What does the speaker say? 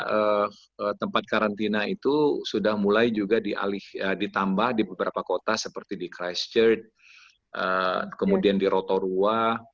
akibatnya tempat karantina itu sudah mulai juga di tambah di beberapa kota seperti di christchurch kemudian di rotorua